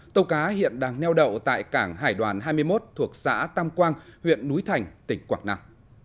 tàu cá hiện đang neo đậu tại cảng hải đoàn hai mươi một thuộc xã tam quang huyện núi thành tỉnh quảng nam